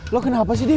lo kenapa sih nadif